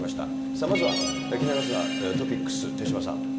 さあまずは気になりますトピックス、手嶋さん。